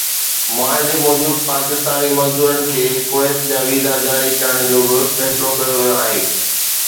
معاهدي موجب پاڪستاني مزدورن کي ڪويت جا ويزا جاري ڪرڻ جو به فيصلو ڪيو ويو آهي